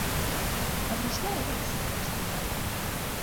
А пасля я сам расказаў.